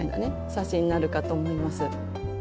写真になるかと思います。